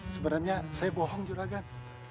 sebenernya saya bohong juragan